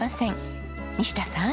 西田さん